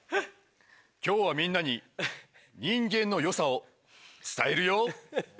今日はみんなに人間のよさを伝えるよ。